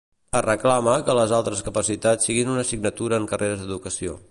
Es reclama que les altres capacitats siguin una assignatura en carreres d'educació.